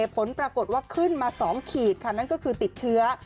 ผลปรากฏว่าขึ้นมา๒ขีดค่ะนั่นก็คือติดเชื้อ